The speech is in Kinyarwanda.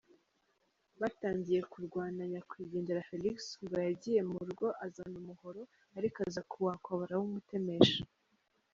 Bataangiye kurwana, nyakwigendera Felix ngo yagiye mu rugo azana umuhoro, ariko aza kuwakwa barawumutemesha.